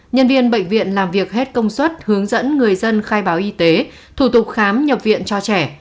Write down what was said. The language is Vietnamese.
nhân viên bệnh viện làm việc hết công suất hướng dẫn người dân khai báo y tế thủ tục khám nhập viện cho trẻ